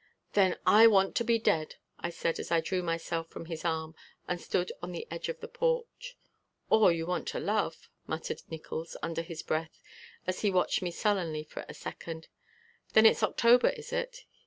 "Then I want to be dead," I said as I drew myself from his arm and stood on the edge of the porch. "Or you want to love," muttered Nickols under his breath as he watched me sullenly for a second. "Then it's October, is it?"